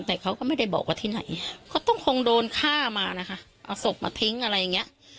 แต่เขาก็ไม่ได้บอกว่าที่ไหนเขาต้องคงโดนฆ่ามานะคะเอาศพมาทิ้งอะไรอย่างเงี้ย